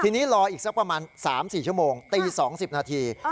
ทีนี้รออีกสักประมาณ๓๔ชั่วโมงตี๒๐นาที